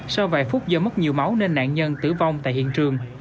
sau vài phút do mất nhiều máu nên nạn nhân tử vong tại hiện trường